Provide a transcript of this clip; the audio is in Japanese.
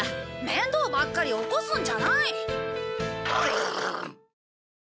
面倒ばっかり起こすんじゃない！